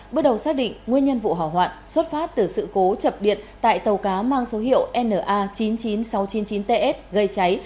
bước đầu xác định nguyên nhân vụ hỏa hoạn xuất phát từ sự cố chập điện tại tàu cá mang số hiệu na chín mươi chín nghìn sáu trăm chín mươi chín ts gây cháy